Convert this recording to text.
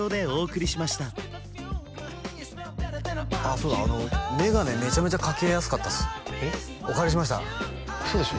そうだ眼鏡めちゃめちゃ掛けやすかったっすお借りしました嘘でしょ？